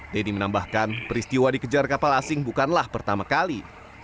denny menambahkan peristiwa dikejar kapal asing bukanlah pertama kali